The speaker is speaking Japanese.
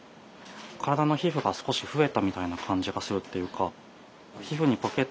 体の皮膚が少し増えたみたいな感じがするっていうか。